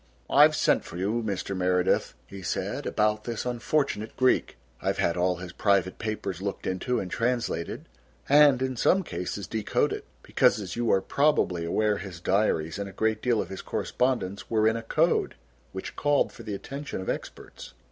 "I've sent for you, Mr. Meredith," he said, "about this unfortunate Greek. I've had all his private papers looked into and translated and in some cases decoded, because as you are probably aware his diaries and a great deal of his correspondence were in a code which called for the attention of experts."